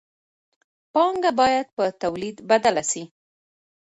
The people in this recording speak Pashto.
پانګه باید په تولید بدله سي.